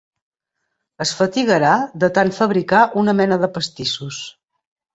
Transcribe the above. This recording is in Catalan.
Es fatigarà de tant fabricar una mena de pastissos.